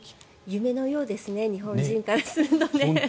夢のようですね日本人からするとね。